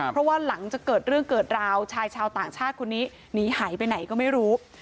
เพราะว่าหลังจากเกิดเรื่องเกิดราวชายชาวต่างชาติคนนี้หนีหายไปไหนก็ไม่รู้